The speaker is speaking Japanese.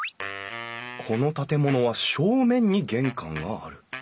この建物は正面に玄関がある。